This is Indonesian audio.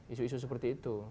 isu isu seperti itu